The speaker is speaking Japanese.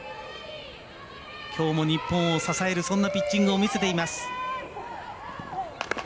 きょうも日本を支えるそんなピッチングを見せています。